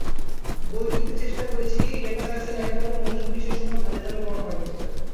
বইটিতে চেষ্টা করেছি ডেটা সাইন্সের একেবারে মৌলিক বিষয় সমূহ ধাপে ধাপে বর্ণনা করতে।